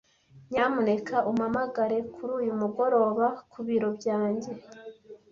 Nyamuneka umpamagare kuri uyu mugoroba ku biro byanjye.